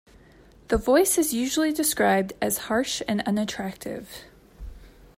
The voice is usually described as harsh and unattractive.